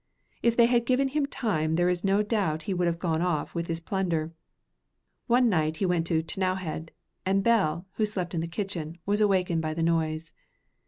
If they had given him time there is no doubt that he would have gone off with his plunder. One night he went to T'nowhead, and Bell, who slept in the kitchen, was awakened by the noise.